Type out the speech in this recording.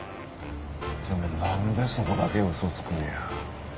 でもなんでそこだけ嘘つくんや？